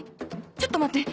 ちょっと待って！